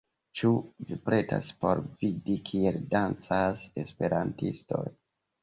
Ĉu vi pretas por vidi kiel dancas esperantistoj